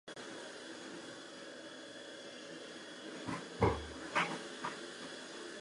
The gun was a modified alarm gun that shot plastic bullets.